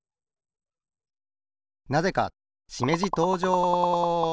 なぜかしめじとうじょう！